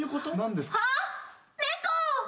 あっ猫！